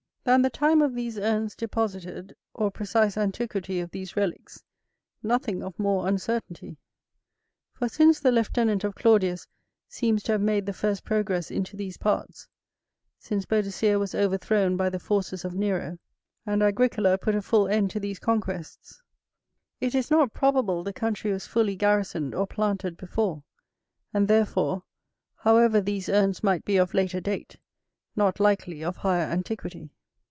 Than the time of these urns deposited, or precise antiquity of these relicks, nothing of more uncertainty; for since the lieutenant of Claudius seems to have made the first progress into these parts, since Boadicea was overthrown by the forces of Nero, and Agricola put a full end to these conquests, it is not probable the country was fully garrisoned or planted before; and, therefore, however these urns might be of later date, not likely of higher antiquity.